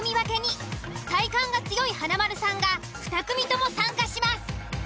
体幹が強い華丸さんが２組とも参加します。